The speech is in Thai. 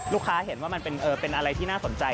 เห็นว่ามันเป็นอะไรที่น่าสนใจ